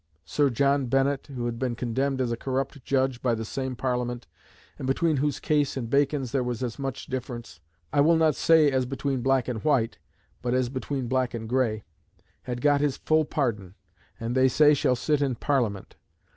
Sir John Bennett, who had been condemned as a corrupt judge by the same Parliament, and between whose case and Bacon's there was as much difference, "I will not say as between black and white, but as between black and gray," had got his full pardon, "and they say shall sit in Parliament."